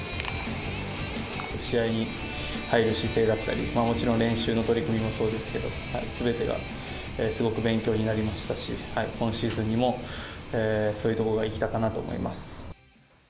試合に入る姿勢だったり、もちろん練習の取り組みもそうですけど、すべてがすごく勉強になりましたし、今シーズンにも、そういうところが生きたかなと思います。